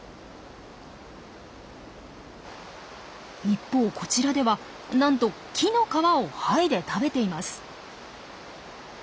一方こちらではなんと木の皮を剥いで食べています。